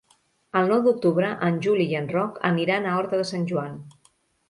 El nou d'octubre en Juli i en Roc aniran a Horta de Sant Joan.